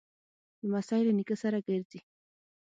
لمسی له نیکه سره ګرځي.